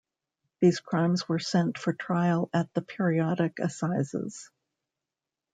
These crimes were sent for trial at the periodic assizes.